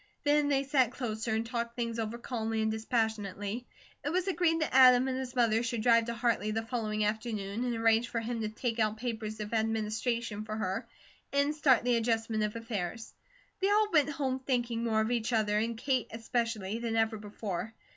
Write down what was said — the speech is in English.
Then they sat closer and talked things over calmly and dispassionately. It was agreed that Adam and his mother should drive to Hartley the following afternoon and arrange for him to take out papers of administration for her, and start the adjustment of affairs. They all went home thinking more of each other, and Kate especially, than ever before.